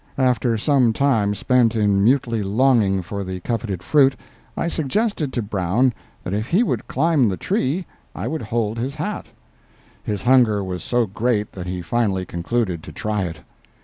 After some time spent in mutely longing for the coveted fruit, I suggested to Brown that if he would climb the tree I would hold his hat. His hunger was so great that he finally concluded to try it.